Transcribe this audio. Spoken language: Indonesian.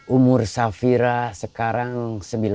umur safira sekarang sembilan puluh